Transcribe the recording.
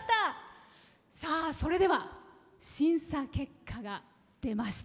それでは審査結果が出ました。